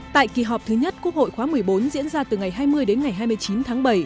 tại kỳ họp thứ nhất quốc hội khóa một mươi bốn diễn ra từ ngày hai mươi đến ngày hai mươi chín tháng bảy